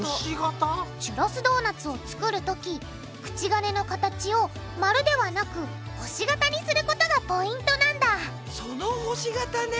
チュロスドーナツを作るとき口金の形を丸ではなく星型にすることがポイントなんだその星型ね！